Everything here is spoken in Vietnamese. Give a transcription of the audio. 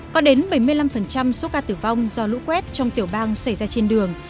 có đến bảy mươi năm số ca tử vong do lũ quét trong tiểu bang xảy ra trên đường